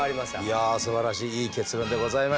いやすばらしいいい結論でございました。